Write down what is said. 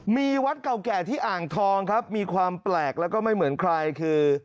มีวัดเก่าแก่ที่อ่างทองครับมีความแปลกแล้วก็ไม่เหมือนใครคือ